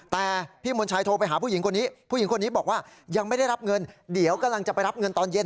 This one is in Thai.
แต่พี่มนชัยโทรไปหาผู้หญิงคนนี้ผู้หญิงคนนี้บอกว่ายังไม่ได้รับเงินเดี๋ยวกำลังจะไปรับเงินตอนเย็น